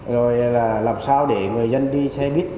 rồi là làm sao để người dân đi xe buýt